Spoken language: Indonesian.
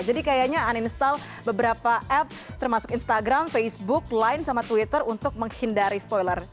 jadi kayaknya uninstall beberapa app termasuk instagram facebook line sama twitter untuk menghindari spoiler